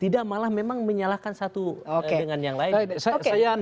tidak malah memang menyalahkan satu dengan yang lain